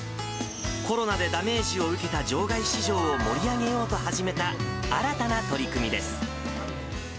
コロナでダメージを受けた場外市場を盛り上げようと始めた、新たな取り組みです。